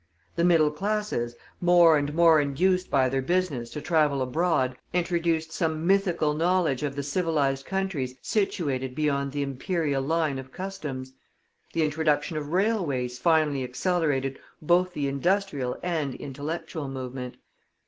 The middle classes, more and more induced by their business to travel abroad, introduced some mythical knowledge of the civilized countries situated beyond the Imperial line of customs; the introduction of railways finally accelerated both the industrial and intellectual movement.